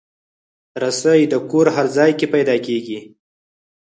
رسۍ د کور هر ځای کې پیدا کېږي.